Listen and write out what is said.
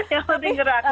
yang penting gerak